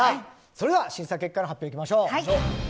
それでは審査結果の発表いきましょう。